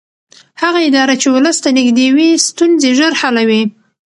هغه اداره چې ولس ته نږدې وي ستونزې ژر حلوي